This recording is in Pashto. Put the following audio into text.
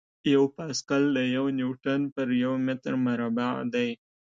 یو پاسکل د یو نیوټن پر یو متر مربع دی.